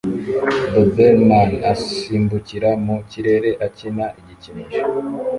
Doberman asimbukira mu kirere akina igikinisho